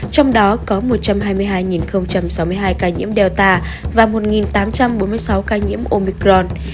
trong đó có một trăm hai mươi hai sáu mươi hai ca nhiễm delta và một tám trăm bốn mươi sáu ca nhiễm omicron